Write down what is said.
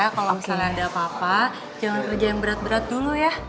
kalau misalnya ada apa apa jangan kerja yang berat berat dulu ya